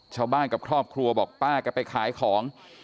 ชาวบ้านกับครอบครัวบอกป้าแกไปขายของ